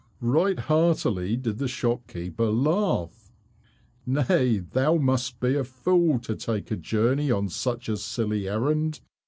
Right heartily did the shopkeeper laugh. "Nay, thou must be a fool to take a journey on such a silly errand.